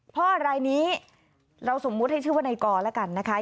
รายนี้เราสมมุติให้ชื่อว่าในกรแล้วกันนะคะ